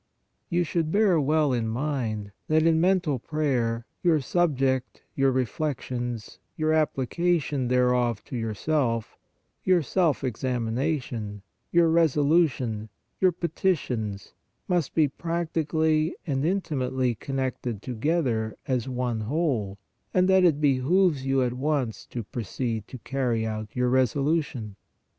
You should bear well in mind that in mental prayer your subject, your reflections, your applica tion thereof to yourself, your self examination, your resolution, your petitions must be practically and in timately connected together as one whole, and that it behooves you at once to proceed to carry out your resolution.